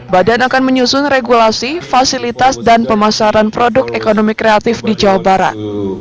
badan akan menyusun regulasi fasilitas dan pemasaran produk ekonomi kreatif di jawa barat